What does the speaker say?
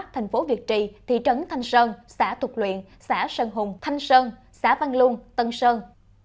thành phố việt trì thị trấn thanh sơn xã thục luyện xã sơn hùng thanh sơn xã văn luông tân sơn